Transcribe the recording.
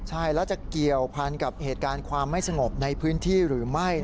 ใช่แล้วจะเกี่ยวพันกับเหตุการณ์ความไม่สงบในพื้นที่หรือไม่